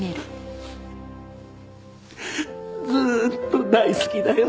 ずっと大好きだよ。